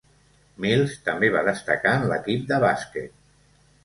Mills també va destacar en l'equip de bàsquet.